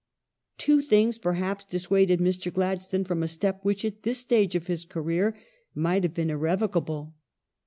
Two things, perhaps, dissuaded Mr. Gladstone from a step which at this stage of his career might have been irrevocable.